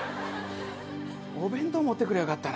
お弁当持ってくりゃよかったな。